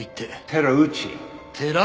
「寺内」